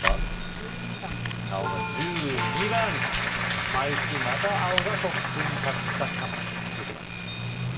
１２番青が１２番枚数また青がトップに立った３枚続けます